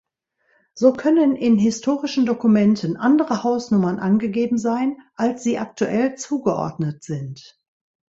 So können in historischen Dokumenten andere Hausnummern angegeben sein, als sie aktuell zugeordnet sind.